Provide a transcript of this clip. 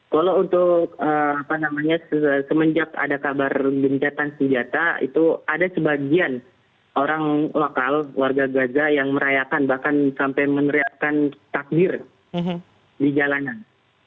kalau untuk apa namanya semenjak ada kabar gencatan senjata itu ada sebagian orang lokal warga gaza yang merayakan bahkan sampai meneriakan takbir di jalanan